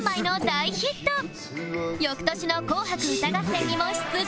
翌年の『紅白歌合戦』にも出場